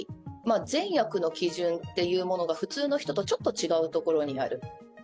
善悪の基準っていうものが普通の人とちょっと違うところにある。